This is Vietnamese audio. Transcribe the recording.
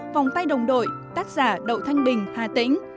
vòng tay đồng đội tác giả đậu thanh bình hà tĩnh